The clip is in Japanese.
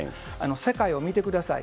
世界を見てください。